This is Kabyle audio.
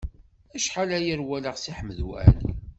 Acḥal aya ur walaɣ Si Ḥmed Waɛli.